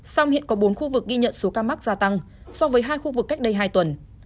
song hiện có bốn khu vực ghi nhận số ca mắc gia tăng so với hai khu vực cách đây hai tuần